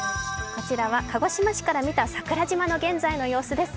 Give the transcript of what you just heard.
こちらは鹿児島市から見た桜島の現在の様子です。